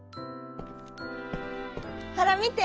「ほらみて！